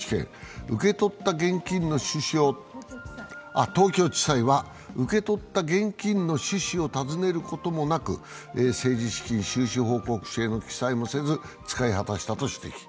この日、東京地裁は受け取った現金の趣旨を尋ねることもなく政治資金収支報告書への記載もせず使い果たしたと指摘。